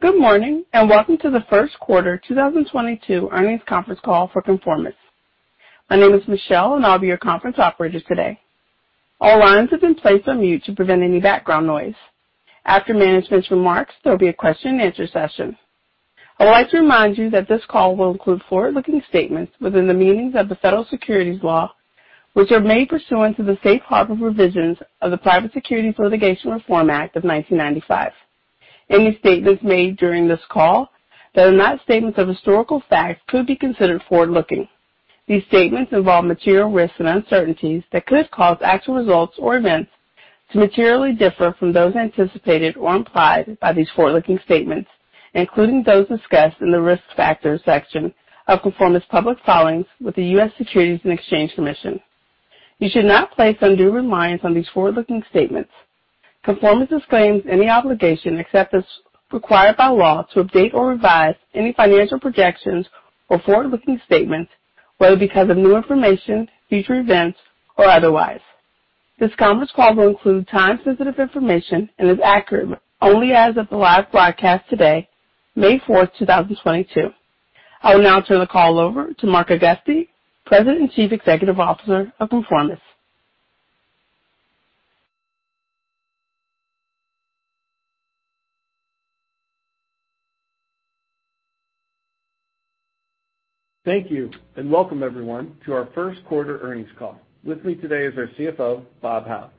Good morning, and welcome to the first quarter 2022 earnings conference call for ConforMIS. My name is Michelle, and I'll be your conference operator today. All lines have been placed on mute to prevent any background noise. After management's remarks, there'll be a question and answer session. I would like to remind you that this call will include forward-looking statements within the meanings of the federal securities laws, which are made pursuant to the safe harbor provisions of the Private Securities Litigation Reform Act of 1995. Any statements made during this call that are not statements of historical fact could be considered forward-looking. These statements involve material risks and uncertainties that could cause actual results or events to materially differ from those anticipated or implied by these forward-looking statements, including those discussed in the Risk Factors section of ConforMIS' public filings with the U.S. Securities and Exchange Commission. You should not place undue reliance on these forward-looking statements. ConforMIS disclaims any obligation, except as required by law, to update or revise any financial projections or forward-looking statements, whether because of new information, future events, or otherwise. This conference call will include time-sensitive information and is accurate only as of the last broadcast today, May 4th, 2022. I will now turn the call over to Mark Augusti, President and Chief Executive Officer of ConforMIS. Thank you, and welcome everyone to our first quarter earnings call. With me today is our CFO, Bob Howe.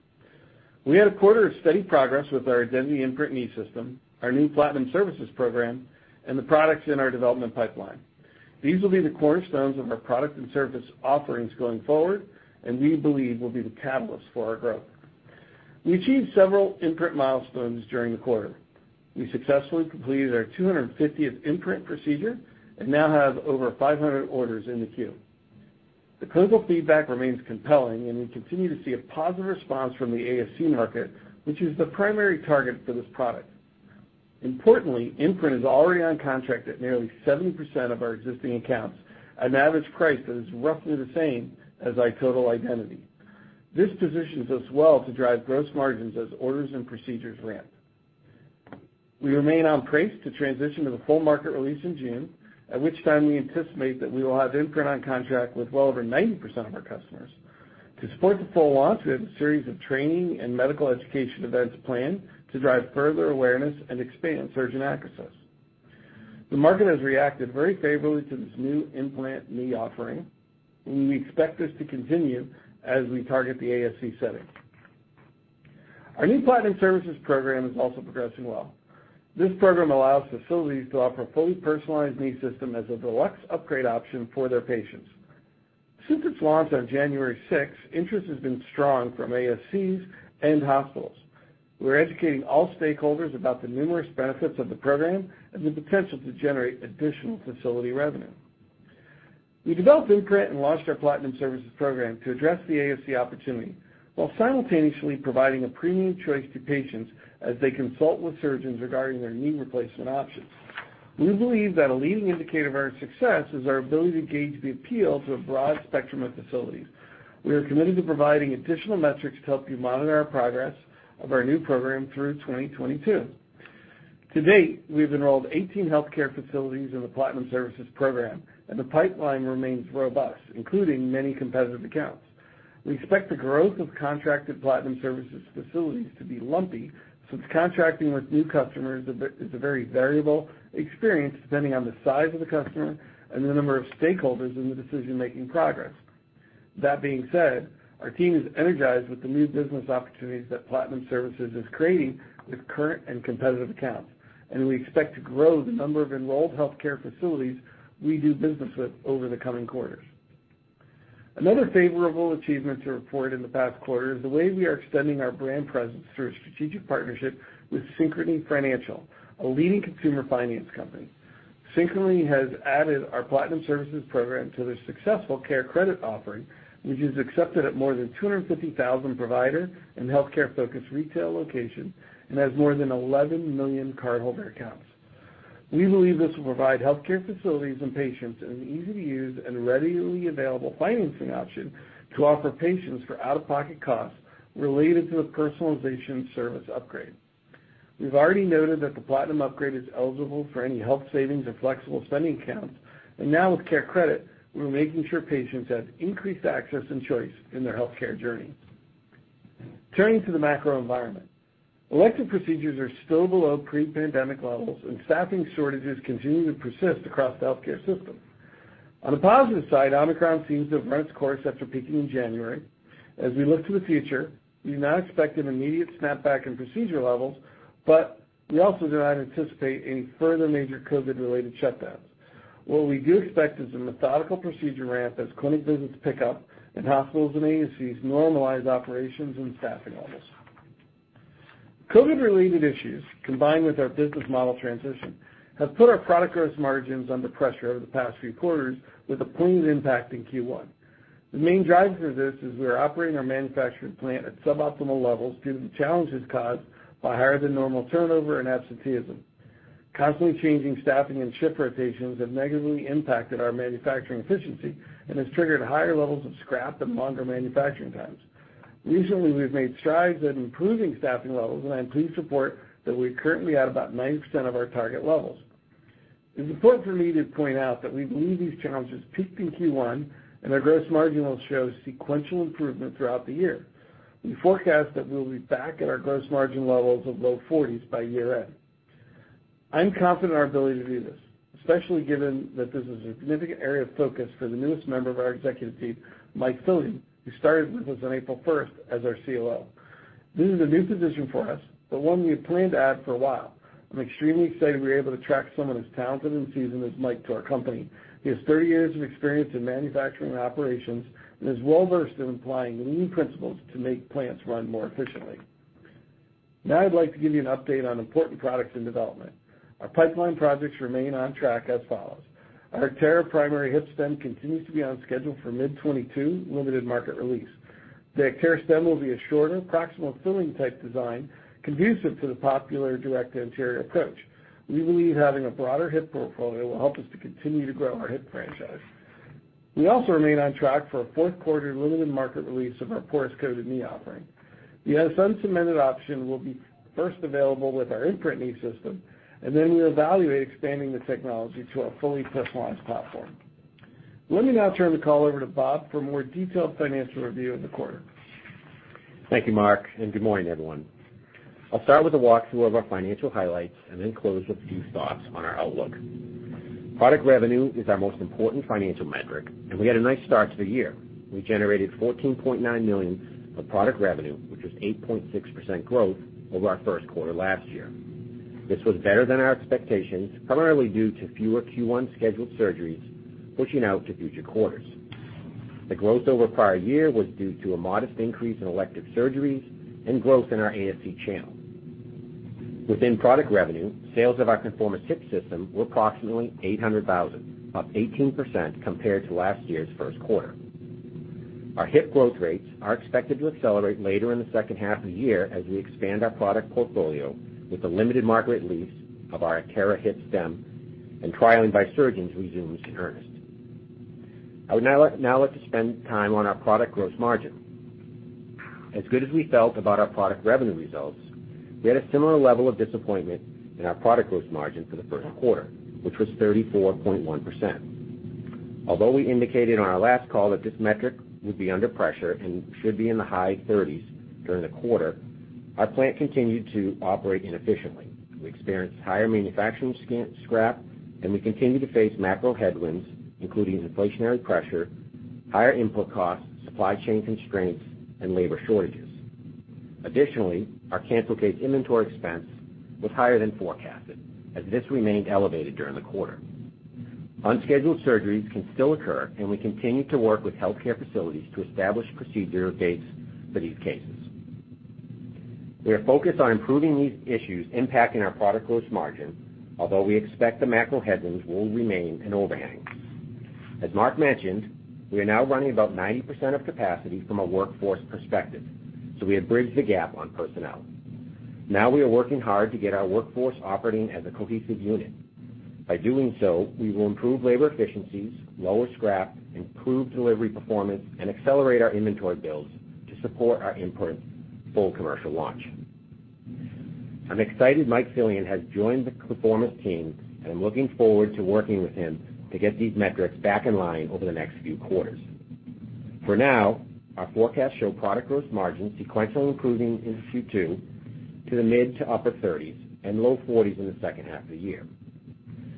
We had a quarter of steady progress with our Identity Imprint knee system, our new Platinum Services Program, and the products in our development pipeline. These will be the cornerstones of our product and service offerings going forward and we believe will be the catalyst for our growth. We achieved several Imprint milestones during the quarter. We successfully completed our 250th Imprint procedure and now have over 500 orders in the queue. The clinical feedback remains compelling, and we continue to see a positive response from the ASC market, which is the primary target for this product. Importantly, Imprint is already on contract at nearly 70% of our existing accounts at an average price that is roughly the same as iTotal Identity. This positions us well to drive gross margins as orders and procedures ramp. We remain on pace to transition to the full market release in June, at which time we anticipate that we will have Imprint on contract with well over 90% of our customers. To support the full launch, we have a series of training and medical education events planned to drive further awareness and expand surgeon access. The market has reacted very favorably to this new implant knee offering, and we expect this to continue as we target the ASC setting. Our new Platinum Services Program is also progressing well. This program allows facilities to offer a fully personalized knee system as a deluxe upgrade option for their patients. Since its launch on January 6th, interest has been strong from ASCs and hospitals. We're educating all stakeholders about the numerous benefits of the program and the potential to generate additional facility revenue. We developed Imprint and launched our Platinum Services Program to address the ASC opportunity while simultaneously providing a premium choice to patients as they consult with surgeons regarding their knee replacement options. We believe that a leading indicator of our success is our ability to gauge the appeal to a broad spectrum of facilities. We are committed to providing additional metrics to help you monitor our progress of our new program through 2022. To date, we have enrolled 18 healthcare facilities in the Platinum Services Program, and the pipeline remains robust, including many competitive accounts. We expect the growth of contracted Platinum Services facilities to be lumpy since contracting with new customers is a very variable experience depending on the size of the customer and the number of stakeholders in the decision-making process. That being said, our team is energized with the new business opportunities that Platinum Services is creating with current and competitive accounts, and we expect to grow the number of enrolled healthcare facilities we do business with over the coming quarters. Another favorable achievement to report in the past quarter is the way we are extending our brand presence through a strategic partnership with Synchrony Financial, a leading consumer finance company. Synchrony has added our Platinum Services program to their successful CareCredit offering, which is accepted at more than 250,000 provider and healthcare-focused retail locations and has more than 11 million cardholder accounts. We believe this will provide healthcare facilities and patients an easy-to-use and readily available financing option to offer patients for out-of-pocket costs related to the personalization service upgrade. We've already noted that the Platinum upgrade is eligible for any health savings or flexible spending accounts, and now with CareCredit, we're making sure patients have increased access and choice in their healthcare journey. Turning to the macro environment. Elective procedures are still below pre-pandemic levels, and staffing shortages continue to persist across the healthcare system. On the positive side, Omicron seems to have run its course after peaking in January. As we look to the future, we do not expect an immediate snapback in procedure levels, but we also do not anticipate any further major COVID-related shutdowns. What we do expect is a methodical procedure ramp as clinic visits pick up and hospitals and ASCs normalize operations and staffing levels. COVID-related issues, combined with our business model transition, have put our product gross margins under pressure over the past few quarters with a pulling impact in Q1. The main driver for this is we are operating our manufacturing plant at suboptimal levels due to challenges caused by higher-than-normal turnover and absenteeism. Constantly changing staffing and shift rotations have negatively impacted our manufacturing efficiency and has triggered higher levels of scrap and longer manufacturing times. Recently, we've made strides at improving staffing levels, and I'm pleased to report that we're currently at about 9% of our target levels. It's important for me to point out that we believe these challenges peaked in Q1, and our gross margin will show sequential improvement throughout the year. We forecast that we will be back at our gross margin levels of low 40s% by year-end. I'm confident in our ability to do this, especially given that this is a significant area of focus for the newest member of our executive team, Mike Fillion, who started with us on April first as our COO. This is a new position for us, but one we had planned to add for a while. I'm extremely excited we were able to attract someone as talented and seasoned as Mike to our company. He has 30 years of experience in manufacturing operations and is well-versed in applying lean principles to make plants run more efficiently. Now I'd like to give you an update on important products in development. Our pipeline projects remain on track as follows. Our Terra primary hip stem continues to be on schedule for mid-2022 limited market release. The Terra stem will be a shorter, proximal filling type design conducive to the popular direct anterior approach. We believe having a broader hip portfolio will help us to continue to grow our hip franchise. We also remain on track for a fourth quarter limited market release of our porous coated knee offering. The uncemented option will be first available with our Imprint knee system, and then we evaluate expanding the technology to a fully personalized platform. Let me now turn the call over to Bob for a more detailed financial review of the quarter. Thank you, Mark, and good morning, everyone. I'll start with a walkthrough of our financial highlights and then close with a few thoughts on our outlook. Product revenue is our most important financial metric, and we had a nice start to the year. We generated $14.9 million of product revenue, which was 8.6% growth over our first quarter last year. This was better than our expectations, primarily due to fewer Q1 scheduled surgeries pushing out to future quarters. The growth over prior year was due to a modest increase in elective surgeries and growth in our ASC channel. Within product revenue, sales of our ConforMIS hip system were approximately $800,000, up 18% compared to last year's first quarter. Our hip growth rates are expected to accelerate later in the second half of the year as we expand our product portfolio with a limited market release of our Terra hip stem and trialing by surgeons resumes in earnest. I would now like to spend time on our product gross margin. As good as we felt about our product revenue results, we had a similar level of disappointment in our product gross margin for the first quarter, which was 34.1%. Although we indicated on our last call that this metric would be under pressure and should be in the high thirties during the quarter, our plant continued to operate inefficiently. We experienced higher manufacturing scrap, and we continued to face macro headwinds, including inflationary pressure, higher input costs, supply chain constraints, and labor shortages. Additionally, our cancel case inventory expense was higher than forecasted, as this remained elevated during the quarter. Unscheduled surgeries can still occur, and we continue to work with healthcare facilities to establish procedure dates for these cases. We are focused on improving these issues impacting our product gross margin, although we expect the macro headwinds will remain an overhang. As Mark mentioned, we are now running about 90% of capacity from a workforce perspective, so we have bridged the gap on personnel. Now we are working hard to get our workforce operating as a cohesive unit. By doing so, we will improve labor efficiencies, lower scrap, improve delivery performance, and accelerate our inventory builds to support our Imprint full commercial launch. I'm excited Michael Fillion has joined the ConforMIS team, and I'm looking forward to working with him to get these metrics back in line over the next few quarters. For now, our forecasts show product gross margin sequentially improving in Q2 to the mid- to upper-30s% and low-40s% in the second half of the year.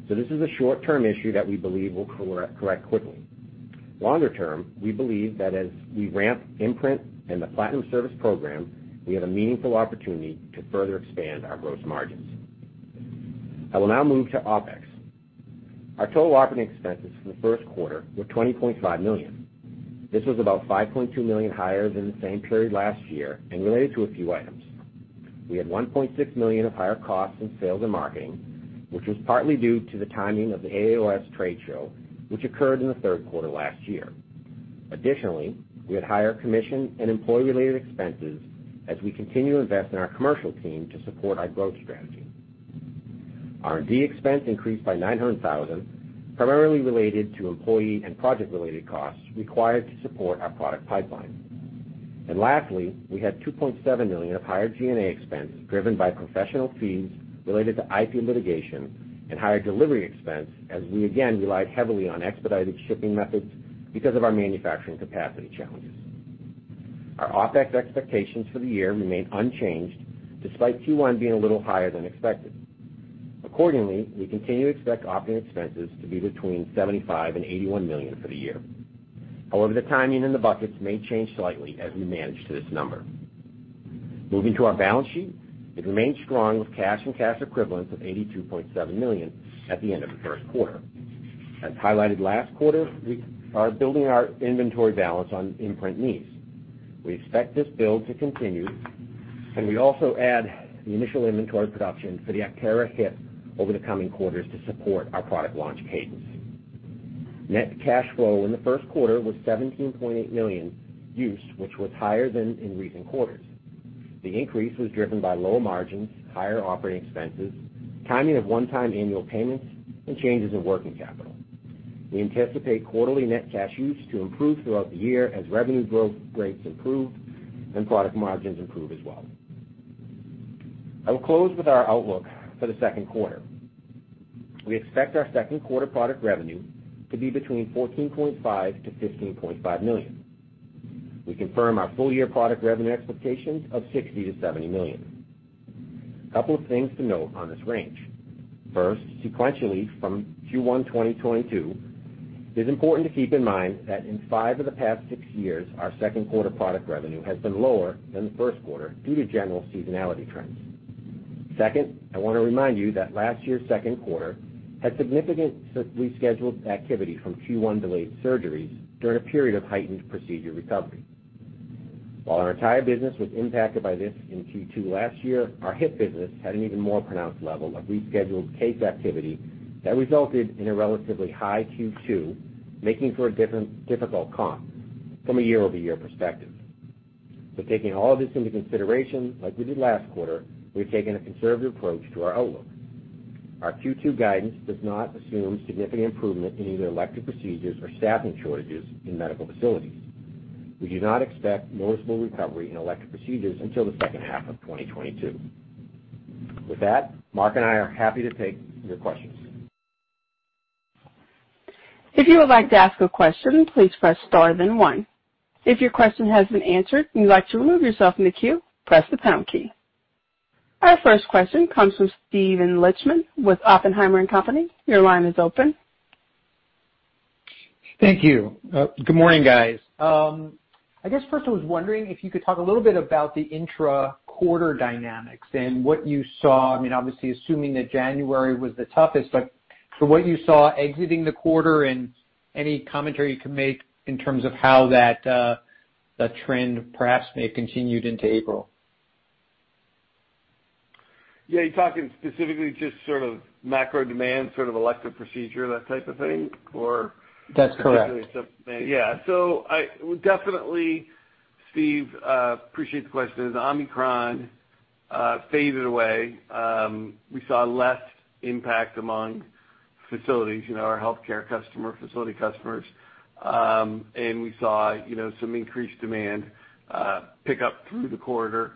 This is a short-term issue that we believe will correct quickly. Longer term, we believe that as we ramp Imprint and the Platinum Services Program, we have a meaningful opportunity to further expand our gross margins. I will now move to OpEx. Our total operating expenses for the first quarter were $20.5 million. This was about $5.2 million higher than the same period last year and related to a few items. We had $1.6 million of higher costs in sales and marketing, which was partly due to the timing of the AAOS trade show, which occurred in the third quarter last year. Additionally, we had higher commission and employee-related expenses as we continue to invest in our commercial team to support our growth strategy. Our R&D expense increased by $900,000, primarily related to employee and project-related costs required to support our product pipeline. Lastly, we had $2.7 million of higher G&A expenses driven by professional fees related to IP litigation and higher delivery expense as we again relied heavily on expedited shipping methods because of our manufacturing capacity challenges. Our OpEx expectations for the year remain unchanged despite Q1 being a little higher than expected. Accordingly, we continue to expect operating expenses to be between $75 million and $81 million for the year. However, the timing and the buckets may change slightly as we manage to this number. Moving to our balance sheet, it remains strong with cash and cash equivalents of $82.7 million at the end of the first quarter. As highlighted last quarter, we are building our inventory balance on Imprint knees. We expect this build to continue, and we also add the initial inventory production for the Terra hip over the coming quarters to support our product launch cadence. Net cash flow in the first quarter was $17.8 million use, which was higher than in recent quarters. The increase was driven by lower margins, higher operating expenses, timing of one-time annual payments, and changes in working capital. We anticipate quarterly net cash use to improve throughout the year as revenue growth rates improve and product margins improve as well. I will close with our outlook for the second quarter. We expect our second quarter product revenue to be between $14.5 million-$15.5 million. We confirm our full-year product revenue expectations of $60 million-$70 million. A couple of things to note on this range. First, sequentially from Q1 2022, it is important to keep in mind that in five of the past six years, our second quarter product revenue has been lower than the first quarter due to general seasonality trends. Second, I want to remind you that last year's second quarter had significant rescheduled activity from Q1 delayed surgeries during a period of heightened procedure recovery. While our entire business was impacted by this in Q2 last year, our hip business had an even more pronounced level of rescheduled case activity that resulted in a relatively high Q2, making for a difficult comp from a year-over-year perspective. Taking all this into consideration, like we did last quarter, we've taken a conservative approach to our outlook. Our Q2 guidance does not assume significant improvement in either elective procedures or staffing shortages in medical facilities. We do not expect noticeable recovery in elective procedures until the second half of 2022. With that, Mark and I are happy to take your questions. If you would like to ask a question, please press star then one. If your question has been answered and you'd like to remove yourself from the queue, press the pound key. Our first question comes from Steven Lichtman with Oppenheimer & Co. Inc. Your line is open. Thank you. Good morning, guys. I guess first I was wondering if you could talk a little bit about the intra-quarter dynamics and what you saw? I mean, obviously assuming that January was the toughest, but from what you saw exiting the quarter and any commentary you can make in terms of how that trend perhaps may have continued into April? Yeah. You're talking specifically just sort of macro demand, sort of elective procedure, that type of thing, or? That's correct. Yeah. Definitely, Steven, appreciate the question. As Omicron faded away, we saw less impact among facilities, you know, our healthcare customer, facility customers, and we saw, you know, some increased demand pick up through the quarter.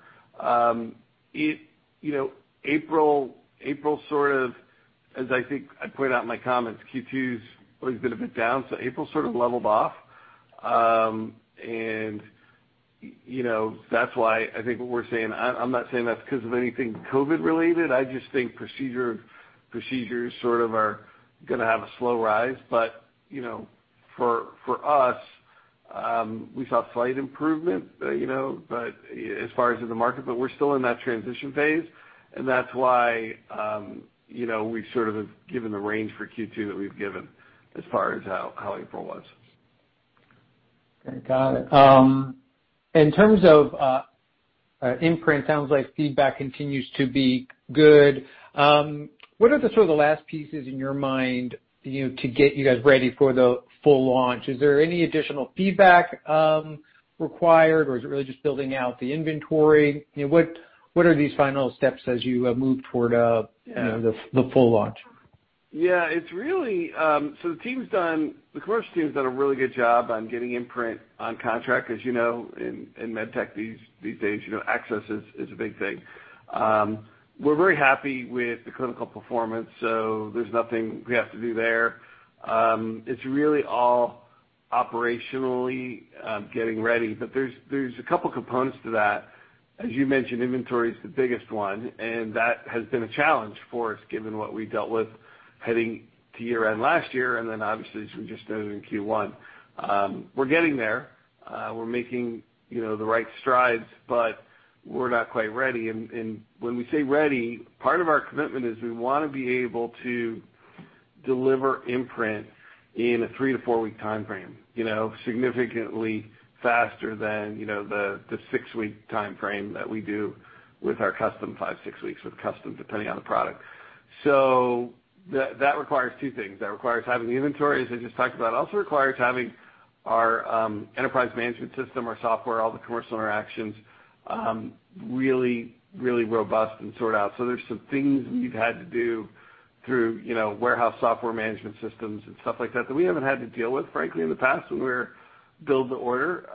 You know, April sort of, as I think I pointed out in my comments, Q2's always been a bit down, so April sort of leveled off. You know, that's why I think what we're saying. I'm not saying that's 'cause of anything COVID related. I just think procedures sort of are gonna have a slow rise. You know, for us, we saw slight improvement, you know, as far as the market, but we're still in that transition phase. That's why, you know, we sort of have given the range for Q2 that we've given as far as how April was. Okay, got it. In terms of Imprint, sounds like feedback continues to be good. What are sort of the last pieces in your mind, you know, to get you guys ready for the full launch? Is there any additional feedback required, or is it really just building out the inventory? You know, what are these final steps as you move toward, you know, the full launch? Yeah. It's really the commercial team's done a really good job on getting Imprint on contract. As you know, in med tech these days, you know, access is a big thing. We're very happy with the clinical performance, so there's nothing we have to do there. It's really all operationally getting ready. There's a couple components to that. As you mentioned, inventory is the biggest one, and that has been a challenge for us given what we dealt with heading to year-end last year, and then obviously as we just noted in Q1. We're getting there. We're making, you know, the right strides, but we're not quite ready. When we say ready, part of our commitment is we wanna be able to deliver Imprint in a 3-4 week timeframe, you know, significantly faster than, you know, the six-week timeframe that we do with our custom, 5-6 weeks with custom, depending on the product. That requires two things. That requires having the inventory, as I just talked about. It also requires having our enterprise management system, our software, all the commercial interactions, really robust and sort out. There's some things we've had to do through, you know, warehouse software management systems and stuff like that that we haven't had to deal with, frankly, in the past when we're build to order.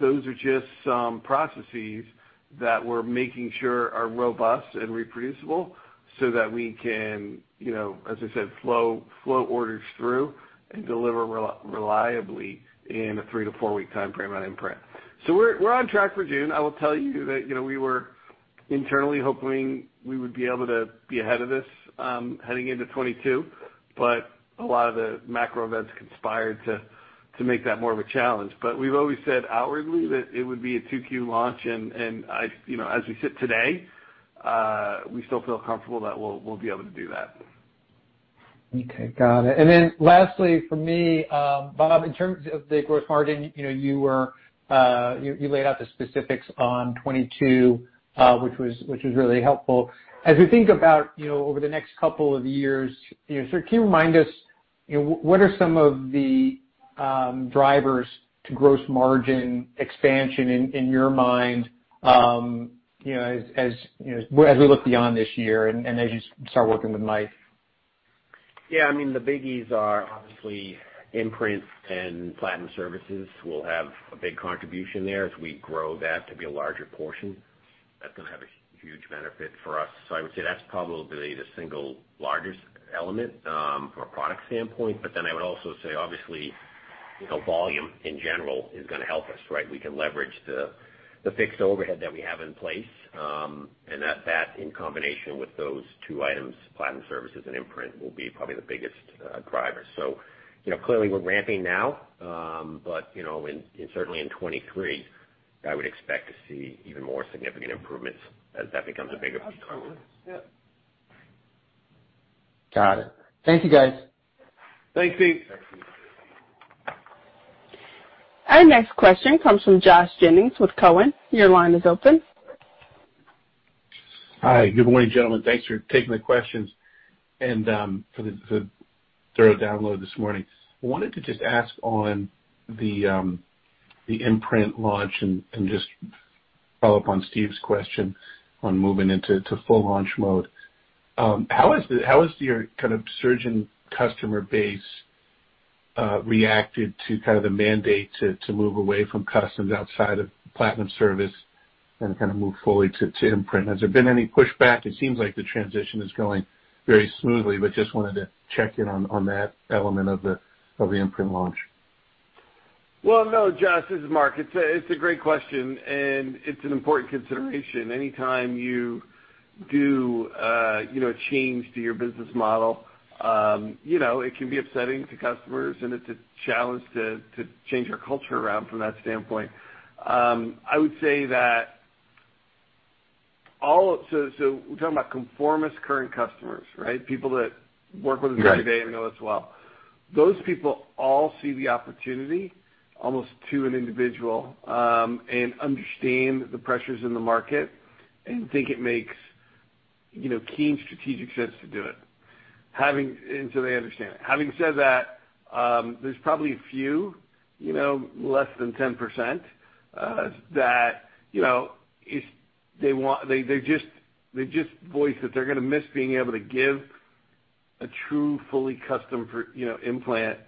Those are just some processes that we're making sure are robust and reproducible so that we can, you know, as I said, flow orders through and deliver reliably in a 3-4-week timeframe on Imprint. We're on track for June. I will tell you that, you know, we were internally hoping we would be able to be ahead of this, heading into 2022, but a lot of the macro events conspired to make that more of a challenge. We've always said outwardly that it would be a 2Q launch, and you know, as we sit today, we still feel comfortable that we'll be able to do that. Okay. Got it. Lastly for me, Bob, in terms of the gross margin, you know, you laid out the specifics on 2022, which was really helpful. As we think about, you know, over the next couple of years, you know, so can you remind us, you know, what are some of the? Drivers to gross margin expansion in your mind, you know, as you know, as we look beyond this year and as you start working with Mike. Yeah, I mean, the biggies are obviously Imprint and Platinum Services will have a big contribution there as we grow that to be a larger portion. That's gonna have a huge benefit for us. I would say that's probably the single largest element from a product standpoint. Then I would also say, obviously, you know, volume in general is gonna help us, right? We can leverage the fixed overhead that we have in place. And that in combination with those two items, Platinum Services and Imprint, will be probably the biggest driver. You know, clearly we're ramping now, but you know, in certainly in 2023, I would expect to see even more significant improvements as that becomes a bigger piece. Absolutely. Yeah. Got it. Thank you, guys. Thanks, Steve. Thanks, Steven. Our next question comes from Josh Jennings with Cowen. Your line is open. Hi, good morning, gentlemen. Thanks for taking the questions and for the thorough download this morning. I wanted to just ask on the Imprint launch and just follow up on Steven's question on moving into full launch mode? How is your kind of surgeon customer base reacted to kind of the mandate to move away from customs outside of Platinum Service and kind of move fully to Imprint? Has there been any pushback? It seems like the transition is going very smoothly, but just wanted to check in on that element of the Imprint launch. Well, no, Josh, this is Mark. It's a great question, and it's an important consideration. Anytime you do a change to your business model, you know, it can be upsetting to customers, and it's a challenge to change your culture around from that standpoint. I would say that so we're talking about ConforMIS current customers, right? People that work with us every day and know us well. Those people all see the opportunity almost to an individual, and understand the pressures in the market and think it makes, you know, keen strategic sense to do it. They understand it. Having said that, there's probably a few, you know, less than 10%, that, you know, if they want they just voice that they're gonna miss being able to give a true, fully custom for, you know, implant,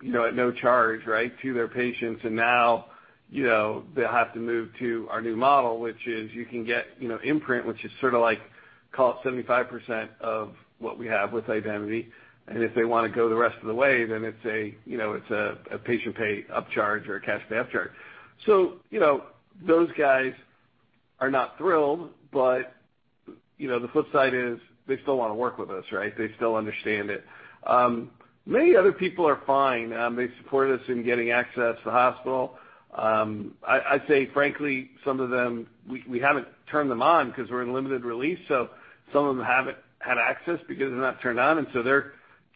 you know, at no charge, right? To their patients. Now, you know, they'll have to move to our new model, which is you can get, you know, Imprint, which is sort of like, call it 75% of what we have with Identity. If they wanna go the rest of the way, then it's a, you know, it's a patient pay upcharge or a cash upcharge. You know, those guys are not thrilled, but, you know, the flip side is they still wanna work with us, right? They still understand it. Many other people are fine. They support us in getting access to the hospital. I'd say, frankly, some of them, we haven't turned them on because we're in limited release, so some of them haven't had access because they're not turned on, and so they're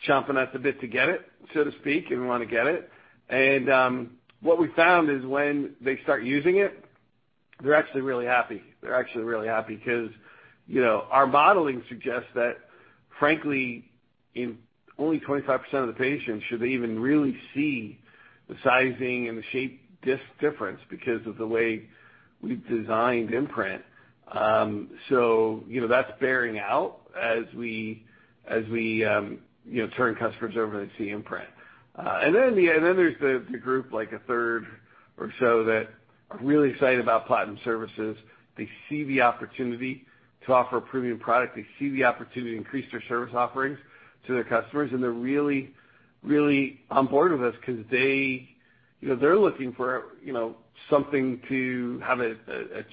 chomping at the bit to get it, so to speak, and wanna get it. What we found is when they start using it, they're actually really happy. They're actually really happy because, you know, our modeling suggests that frankly, in only 25% of the patients should they even really see the sizing and the shape difference because of the way we've designed Imprint. So you know, that's bearing out as we turn customers over to see Imprint. There's the group, like a third or so that are really excited about Platinum Services. They see the opportunity to offer a premium product. They see the opportunity to increase their service offerings to their customers, and they're really on board with us because they, you know, they're looking for, you know, something to have a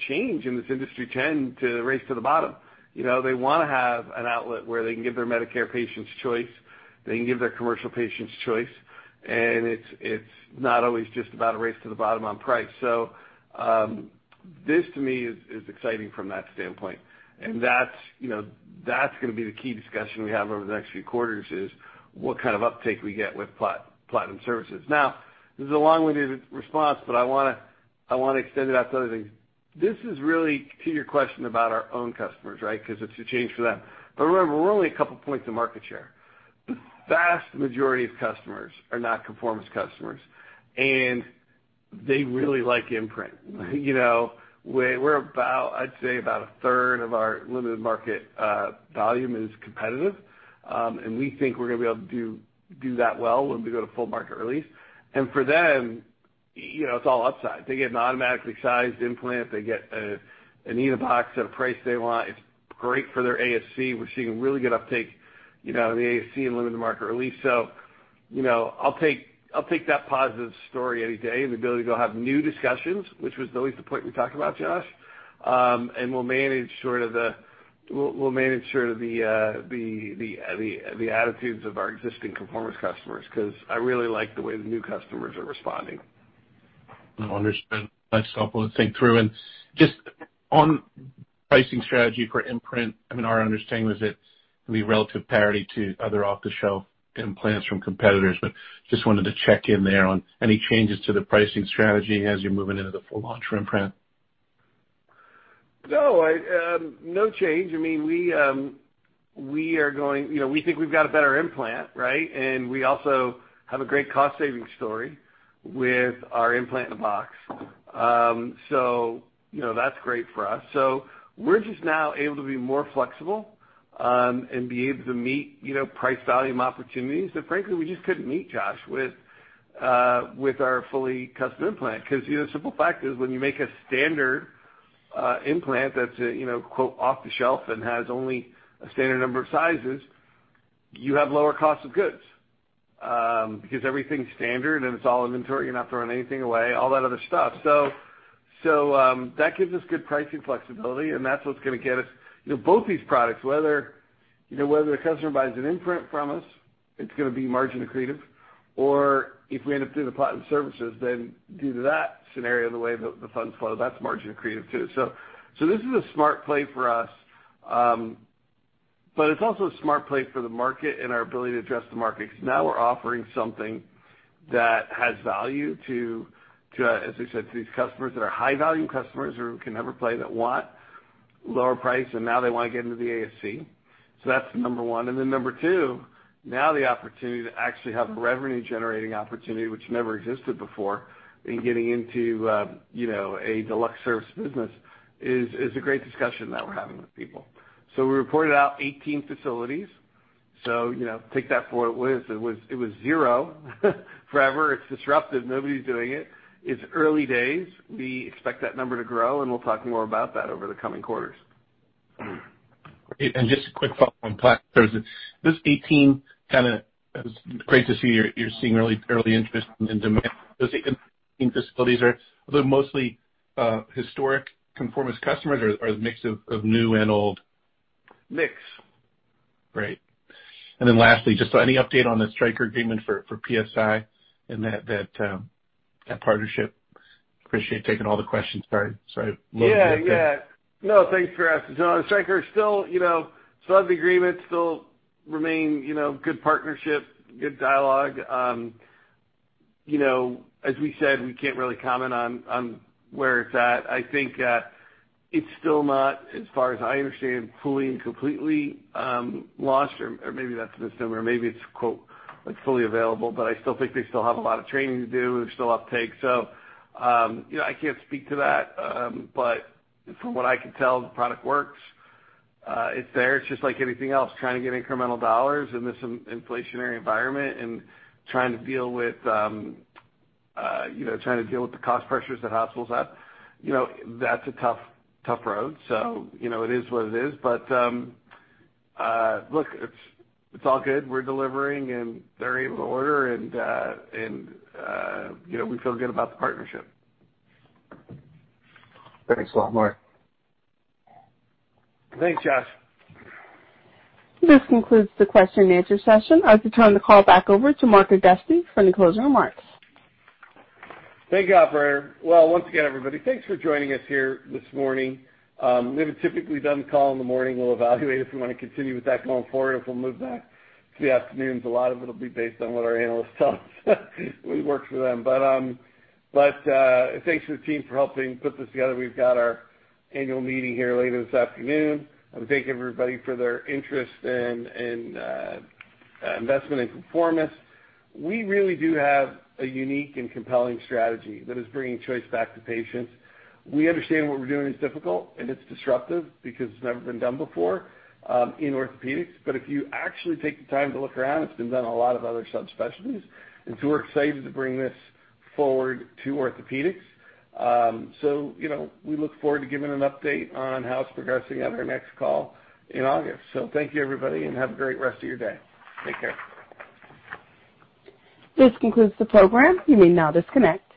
change in this industry trend to race to the bottom. You know, they wanna have an outlet where they can give their Medicare patients choice, they can give their commercial patients choice, and it's not always just about a race to the bottom on price. This to me is exciting from that standpoint. That's, you know, that's gonna be the key discussion we have over the next few quarters is what kind of uptake we get with Platinum Services. Now, this is a long-winded response, but I wanna extend it out to other things. This is really to your question about our own customers, right? 'Cause it's a change for them. Remember, we're only a couple of points of market share. The vast majority of customers are not ConforMIS customers, and they really like Imprint. You know, we're about, I'd say, about a third of our limited market volume is competitive. We think we're gonna be able to do that well when we go to full market release. For them, you know, it's all upside. They get an automatically sized implant, they get an in a box at a price they want. It's great for their ASC. We're seeing a really good uptake, you know, in the ASC and limited market release. You know, I'll take that positive story any day, and the ability to go have new discussions, which was always the point we talked about, Josh. We'll manage sort of the attitudes of our existing ConforMIS customers because I really like the way the new customers are responding. No, understood. I just got a couple of things through. Just on pricing strategy for Imprint, I mean, our understanding was it's gonna be relative parity to other off-the-shelf implants from competitors, but just wanted to check in there on any changes to the pricing strategy as you're moving into the full launch for Imprint. No, no change. I mean, you know, we think we've got a better implant, right? We also have a great cost-saving story with our implant in a box. You know, that's great for us. We're just now able to be more flexible, and be able to meet, you know, price volume opportunities that frankly we just couldn't meet, Josh, with our fully custom implant. 'Cause, you know, simple fact is, when you make a standard implant that's, you know, 'off the shelf' and has only a standard number of sizes, you have lower cost of goods, because everything's standard and it's all inventory, you're not throwing anything away, all that other stuff. That gives us good pricing flexibility and that's what's gonna get us. You know, both these products, whether, you know, whether the customer buys an Imprint from us, it's gonna be margin accretive, or if we end up doing the Platinum Services, then due to that scenario, the way the funds flow, that's margin accretive too. So this is a smart play for us. But it's also a smart play for the market and our ability to address the market, 'cause now we're offering something that has value to, as we said, to these customers that are high-volume customers who can never play, that want lower price, and now they wanna get into the ASC. So that's number one. Then number two, now the opportunity to actually have a revenue generating opportunity which never existed before in getting into, you know, a deluxe service business is a great discussion that we're having with people. We reported out 18 facilities. You know, take that for what it was. It was zero forever. It's disruptive. Nobody's doing it. It's early days. We expect that number to grow, and we'll talk more about that over the coming quarters. Great. Just a quick follow-up on Platinum Services. This 18 kinda was great to see you're seeing really early interest in demand. Those 18 facilities are they mostly historic ConforMIS customers or the mix of new and old? Mix. Great. Lastly, just any update on the Stryker agreement for PSI and that partnership? Appreciate you taking all the questions. Sorry. Load them with them. Yeah. No, thanks for asking. Stryker is still, you know, still have the agreement, remain, you know, good partnership, good dialogue. You know, as we said, we can't really comment on where it's at. I think it's still not, as far as I understand, fully and completely launched, or maybe that's an assumption, or maybe it's quote like fully available, but I still think they have a lot of training to do. There's still uptake. You know, I can't speak to that. From what I can tell, the product works. It's there. It's just like anything else, trying to get incremental dollars in this inflationary environment and trying to deal with you know the cost pressures that hospitals have. You know, that's a tough road. You know, it is what it is. Look, it's all good. We're delivering, and they're able to order and you know, we feel good about the partnership. Thanks a lot, Mark. Thanks, Josh. This concludes the question and answer session. I'll turn the call back over to Mark Augusti for any closing remarks. Thank you, operator. Well, once again, everybody, thanks for joining us here this morning. We haven't typically done the call in the morning. We'll evaluate if we wanna continue with that going forward, if we'll move back to the afternoons. A lot of it'll be based on what our analysts tell us, what works for them. But thanks to the team for helping put this together. We've got our annual meeting here later this afternoon. I wanna thank everybody for their interest in investment in ConforMIS. We really do have a unique and compelling strategy that is bringing choice back to patients. We understand what we're doing is difficult, and it's disruptive because it's never been done before in orthopedics. If you actually take the time to look around, it's been done in a lot of other subspecialties. We're excited to bring this forward to orthopedics. You know, we look forward to giving an update on how it's progressing at our next call in August. Thank you, everybody, and have a great rest of your day. Take care. This concludes the program. You may now disconnect.